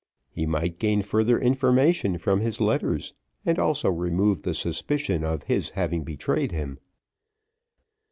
He might gain further information from his letters, and also remove the suspicion of his having betrayed him.